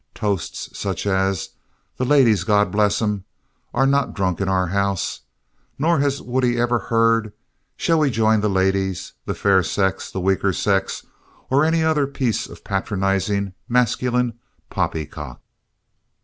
Toasts such as "The ladies, God bless 'em" are not drunk in our house, nor has Woodie ever heard "Shall we join the ladies," "the fair sex," "the weaker sex," or any other piece of patronizing masculine poppycock.